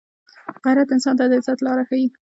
غیرت انسان ته د عزت لاره ښيي